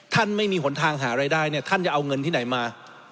ท่านไม่มีหนทางหารายได้เนี่ยท่านจะเอาเงินที่ไหนมา